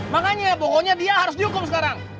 makanya pokoknya dia harus dihukum sekarang